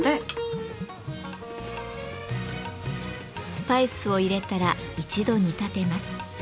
スパイスを入れたら一度煮立てます。